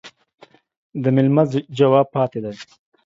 د ميلمه جواب پاتى دى.